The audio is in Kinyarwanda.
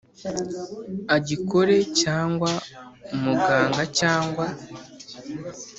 Agikore cyangwa umuganga cyangwa